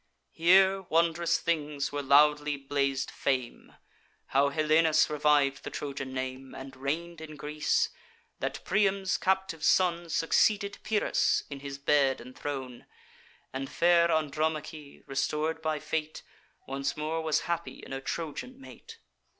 Here wondrous things were loudly blaz'd fame: How Helenus reviv'd the Trojan name, And reign'd in Greece; that Priam's captive son Succeeded Pyrrhus in his bed and throne; And fair Andromache, restor'd by fate, Once more was happy in a Trojan mate.